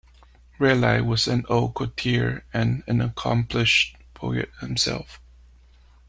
Raleigh was an old courtier and an accomplished poet himself.